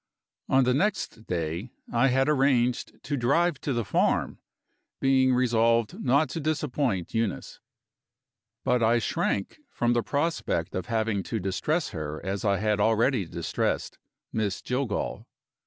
On the next day I had arranged to drive to the farm, being resolved not to disappoint Eunice. But I shrank from the prospect of having to distress her as I had already distressed Miss Jillgall.